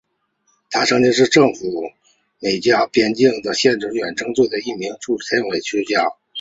他曾是政府的美加边境线测量远征队的一名助理天文学家。